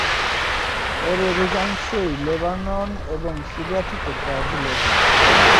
এর অধিকাংশই লেবানন এবং সিরিয়া থেকে ব্রাজিলে যান।